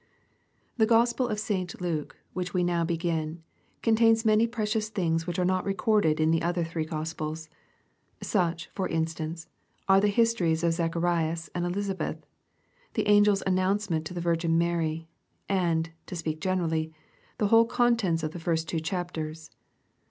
The Gospel of St. Luke, which we now begin, contains many precious things which are not recorded in the other three Gospels* Such, for instance, are the histo ries of Zacharias and Elisabeth, — ^the angel's announce ment to the Virgin Mary, — and, to speak generally, the whole contents of the first two chapters.